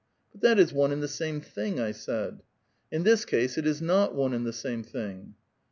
^^ But that is one and the same thing," I said. ^^ In this case it is not one and the same thing."